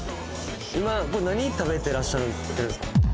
今何食べてらっしゃってるんですか？